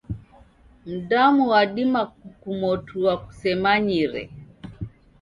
Mdamu wadima kukumotua kusemanyire.